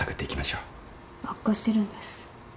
悪化してるんです。